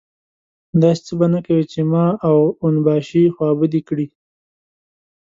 داسې څه به نه کوې چې ما او اون باشي خوابدي کړي.